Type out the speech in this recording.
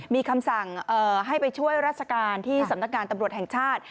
มีคำสั่งให้ไปช่วยราชการที่สำนักงานตำรวจแห่งชาติ